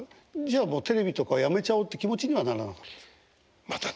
じゃあもうテレビとかやめちゃおうっていう気持ちにはならなかった。